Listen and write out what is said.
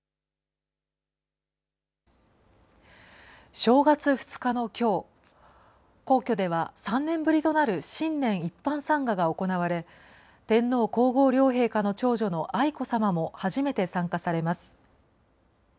正月２日のきょう、皇居では３年ぶりとなる新年一般参賀が行われ、天皇皇后両陛下の長女の愛子さまも初めて参加されます。